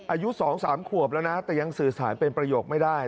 อายุ๒๓ขวบแล้วนะแต่ยังสื่อสารเป็นประโยคไม่ได้